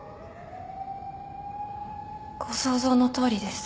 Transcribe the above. ご想像のとおりです。